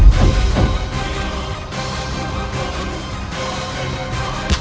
kau akan menang